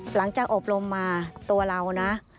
หลังจากอบรมมาตัวเรานะ